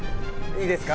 いいですか？